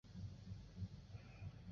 今花莲县卓溪乡。